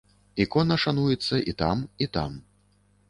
Ікона шануецца і там, і там.